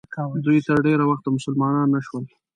دوی تر ډېره وخته مسلمانان نه شول.